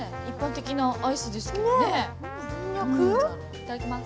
いただきます。